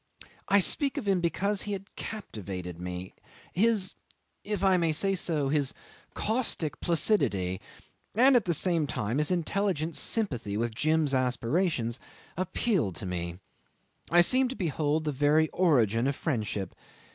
I speak of him because he had captivated me. His if I may say so his caustic placidity, and, at the same time, his intelligent sympathy with Jim's aspirations, appealed to me. I seemed to behold the very origin of friendship.